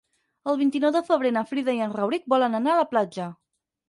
El vint-i-nou de febrer na Frida i en Rauric volen anar a la platja.